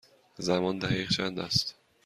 زمان دقیق چند است؟